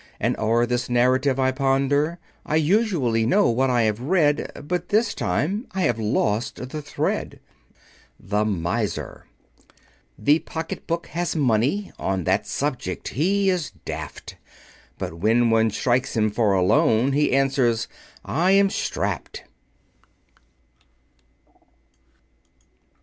As o'er this narrative I ponder; I usually know what I have read, But this time I have lost the Thread." [Illustration: Thoughts Unstrung] THE MISER The Pocketbook has money, On that subject he is daft; But when one strikes him for a loan He answers, "I am strapped."